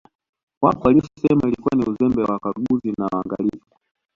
Wapo waliosema ilikuwa ni Uzembe wa Wakaguzi wa na Waangalizi